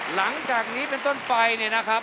หลังจากนี้เป็นต้นไปเนี่ยนะครับ